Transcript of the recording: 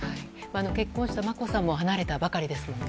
結婚した眞子さんも離れたばかりですものね。